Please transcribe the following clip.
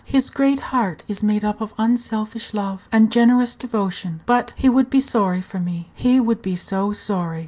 His great heart is made up of unselfish love and generous devotion. But he would be sorry for me; he would be so sorry!